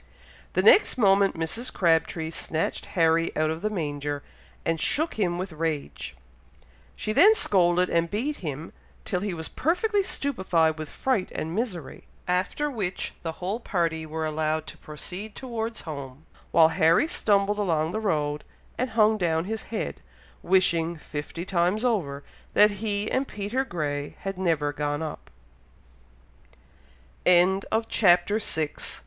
The next moment Mrs. Crabtree snatched Harry out of the manger, and shook him with rage. She then scolded and beat him, till he was perfectly stupified with fright and misery, after which the whole party were allowed to proceed towards home, while Harry stumbled along the road, and hung down his head, wishing, fifty times over, that he and Peter Grey had never gone up THE LONG LADDER. CHAPTER VII.